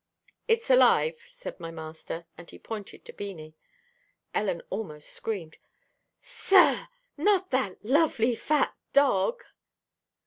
"It's alive," said my master, and he pointed to Beanie. Ellen almost screamed. "Sir! not that lovely, fat dog!"